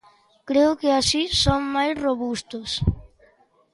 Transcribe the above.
Creo que así son máis robustos.